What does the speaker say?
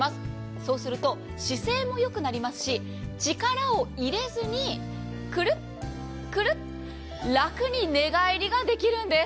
そうすると、姿勢もよくなりますし力を入れずにクルッ、クルッと楽に寝返りができるんです。